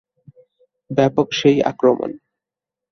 ব্যাপক সেই আক্রমণ।